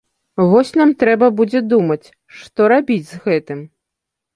Вось нам трэба будзе думаць, што рабіць з гэтым.